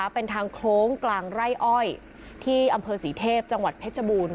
เป็นทางโค้งกลางไร่อ้อยที่อำเภอศรีเทพจังหวัดเพชรบูรณ